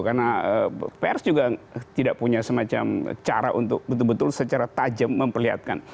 karena pers juga tidak punya semacam cara untuk betul betul secara tajam memperlihatkan